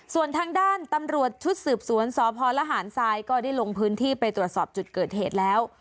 ส่วนทางด้านตำรวจชุดสืบสวนสพลหารทรายก็ได้ลงพื้นที่ไปตรวจสอบจุดเกิดเหตุแล้ว